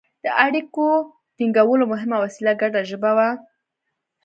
د اړیکو ټینګولو مهمه وسیله ګډه ژبه وه.